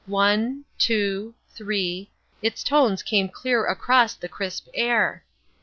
One, two, three, its tones came clear across the crisp air.